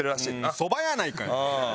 そばやないかい。